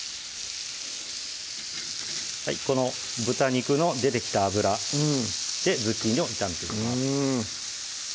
はいこの豚肉の出てきた脂でズッキーニを炒めていきます